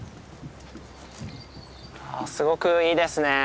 あすごくいいですね。